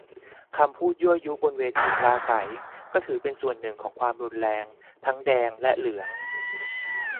คำพูดยั่วยุบนเวทีปราศรัย ก็ถือเป็นส่วนหนึ่งของความรุนแรง ทั้งแดงและเหลือง